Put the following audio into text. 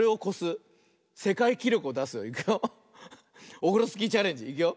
オフロスキーチャレンジいくよ。